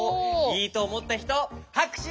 いいとおもったひとはくしゅ。